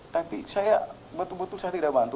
tapi saya betul betul saya tidak bantu